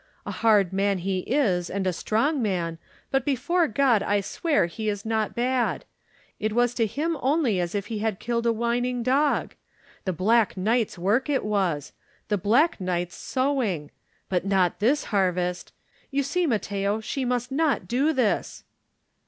A hard man he is and a strong man, but before God I swear he is not bad. It was to him only as if he had killed a whining dog. The black night's work it was. The black night's sowing! But not this harvest! You see, Matteo, she must not do this!"